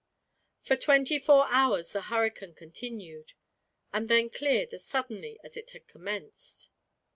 For twenty four hours the hurricane continued, and then cleared as suddenly as it had commenced.